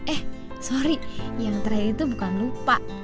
eh sorry yang terakhir itu bukan lupa